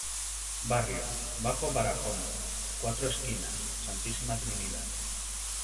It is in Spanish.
Barrio: Bajo Barahona, Cuatro Esquinas, Santísima Trinidad.